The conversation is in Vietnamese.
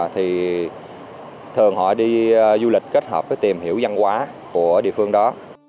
thì thường họ đi du lịch kết hợp với tìm hiểu văn hóa của địa phương đó